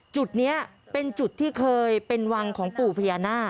จุดนี้เป็นจุดที่เคยเป็นวังของปู่พญานาค